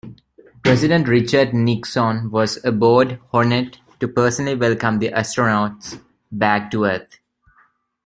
President Richard Nixon was aboard "Hornet" to personally welcome the astronauts back to Earth.